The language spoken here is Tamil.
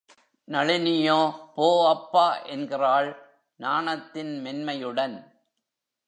நளினியோ, போ அப்பா...! என்கிறாள் நாணத்தின் மென்மையுடன்.